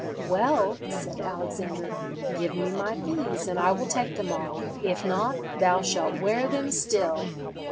'Well,' said Alexander, 'give me my fees, and I will take them off; if not, thou shalt wear them still.'